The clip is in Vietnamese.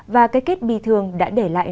và cái kết bi thương đã để lại